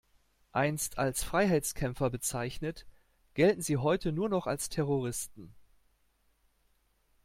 Einst als Freiheitskämpfer bezeichnet, gelten sie heute nur noch als Terroristen.